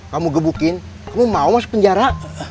kamu gebukin kamu mau masuk penjara